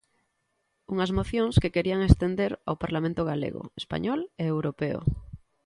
Unhas mocións que querían estender ao parlamento galego, español e europeo.